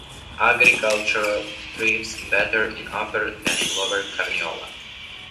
Agriculture thrives better in Upper than in Lower Carniola.